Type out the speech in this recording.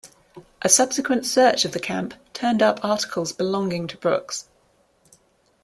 A subsequent search of the camp turned up articles belonging to Brooks.